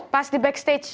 pas di backstage